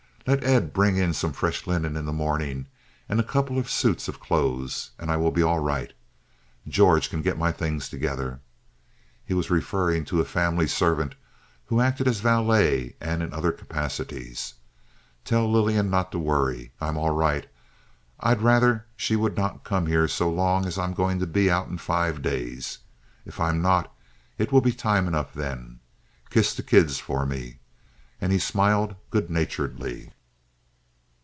"Let Ed bring in some fresh linen in the morning and a couple of suits of clothes, and I will be all right. George can get my things together." He was referring to a family servant who acted as valet and in other capacities. "Tell Lillian not to worry. I'm all right. I'd rather she would not come here so long as I'm going to be out in five days. If I'm not, it will be time enough then. Kiss the kids for me." And he smiled good naturedly.